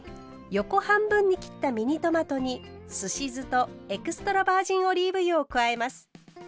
横半分に切ったミニトマトにすし酢とエクストラバージンオリーブ油を加えます。